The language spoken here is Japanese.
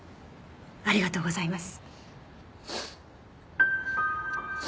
ありがとうございます。